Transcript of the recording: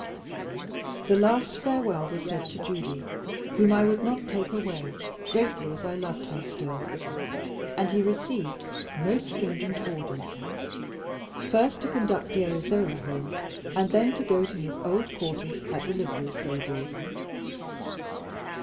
The last farewell was said to Judy, whom I would not take away, greatly as I loved him still; and he received most stringent orders first to conduct dear Isola home, and then to go to his old quarters at the livery stables.